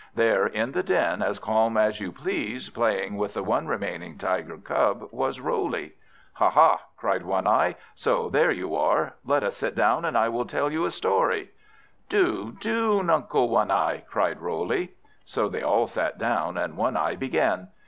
There in the den, as calm as you please, playing with the one remaining Tiger cub, was Roley. "Ha ha," laughed One eye, "so there you are. Let us sit down, and I will tell you a story." "Do, do, Nuncle One eye," cried Roley. So they all sat down, and One eye began.